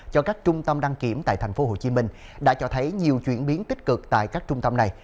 cho các trung tâm đăng kiểm tại tp hcm đã cho thấy nhiều chuyển biến tích cực tại các trung tâm này